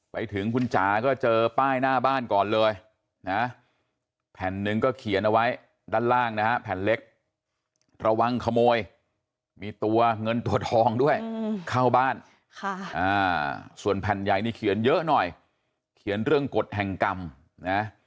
เพราะผมก็อยู่นี่มานานมันสะดวกทุกอย่างครับอย่างนี้ทำงานอย่างนี้ด้วย